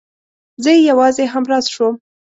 زه يې يوازې همراز شوم.